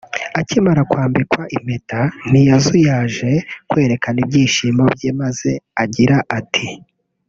Akimara kwambikwa impeta ntiyazuyaje kwerekana ibyishimo bye maze agira ati